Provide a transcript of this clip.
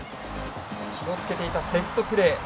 気をつけていたセットプレー。